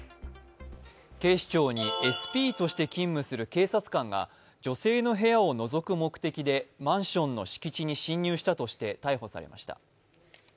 警視庁にＳＰとして勤務する警察官が女性の部屋をのぞく目的でマンションの敷地に侵入したとして逮捕されました。